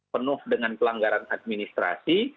penuh dengan pelanggaran administrasi